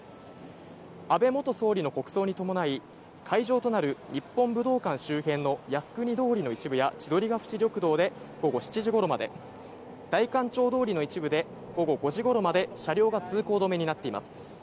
安倍元総理の国葬に伴い、会場となる日本武道館周辺の靖国通りの一部や千鳥ヶ淵緑道で午後７時ごろまで、代官町通りの一部で午後５時ごろまで、車両が通行止めになっています。